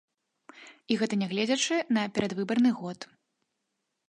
І гэта нягледзячы на перадвыбарны год.